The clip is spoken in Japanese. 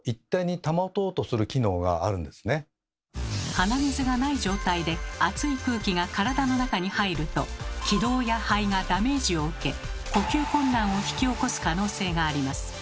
鼻水がない状態で気道や肺がダメージを受け呼吸困難を引き起こす可能性があります。